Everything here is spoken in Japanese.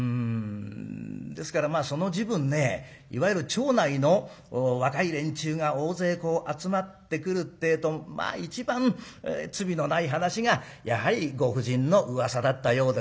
ですからまあその時分ねいわゆる町内の若い連中が大勢こう集まってくるってえとまあ一番罪のない話がやはりご婦人のうわさだったようでございますがね。